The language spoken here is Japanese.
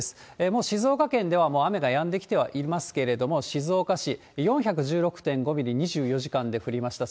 もう静岡県では雨はやんできてはいますけれども、静岡市、４１６．５ミリ、２４時間で降りました。